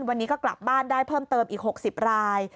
วันนี้ก็กลับบ้านได้เพิ่มเติมอีก๖๐ราย